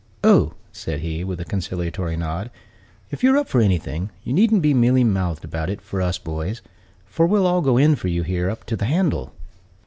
"Oh," said he, with a conciliatory nod, "if you're up for anything, you needn't be mealy mouthed about it 'fore us boys; for we'll all go in for you here up to the handle."